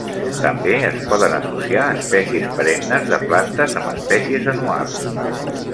També es poden associar espècies perennes de plantes amb espècies anuals.